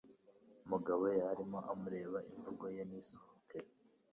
Mugabo yarimo amureba, imvugo ye ntisomeka.